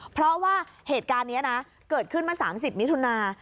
เพราะว่าเหตุการณ์นี้นะเกิดขึ้นมา๓๐มิถุนา